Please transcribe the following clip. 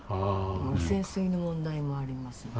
汚染水の問題もありますので。